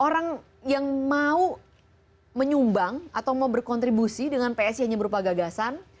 orang yang mau menyumbang atau mau berkontribusi dengan psi hanya berupa gagasan